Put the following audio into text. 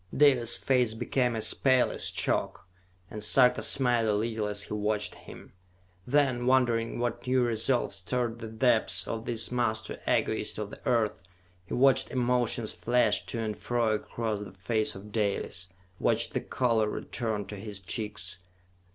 Dalis' face became as pale as chalk, and Sarka smiled a little as he watched him. Then, wondering what new resolve stirred the depths of this master egotist of the earth, he watched emotions flash to and fro across the face of Dalis, watched the color return to his cheeks.